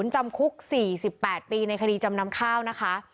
จำคุก๔๘ปีในคดีจำนำข้าวนะคะ